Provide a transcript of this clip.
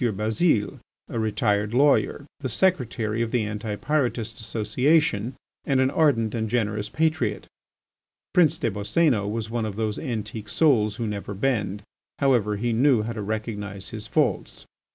Bazile, a retired lawyer, the secretary of the Anti pyrotist Association, and an ardent and generous patriot. Prince des Boscénos was one of those antique souls who never bend. However, he knew how to recognise his faults.